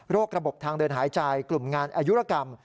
ระบบทางเดินหายใจกลุ่มงานอายุรกรรม